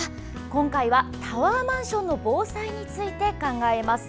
今回はタワーマンションの防災について考えます。